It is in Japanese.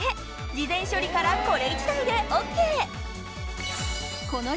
事前処理からこれ１台でＯＫ！